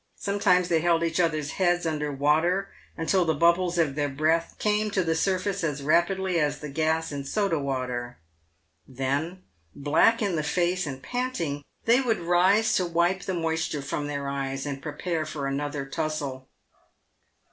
Sometimes they held each other's heads under water until the bub bles of their breath came to the surface as rapidly as the gas in soda water. Then, black in the face, and panting, they would rise to wipe the moisture from their eyes, and prepare for another tussle.